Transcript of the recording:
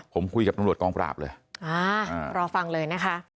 ผมคุยกับตำรวจกองปราบเลยอ่ารอฟังเลยนะคะ